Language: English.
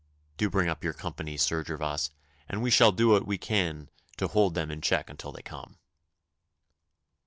Do you bring up your company, Sir Gervas, and we shall do what we can to hold them in check until they come.